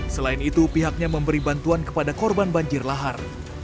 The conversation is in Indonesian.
selain itu pihaknya memberi bantuan kepada korban banjir lahar